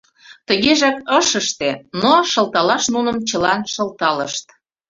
Тыгежак ыш ыште, но шылталаш нуным чылан шылталышт.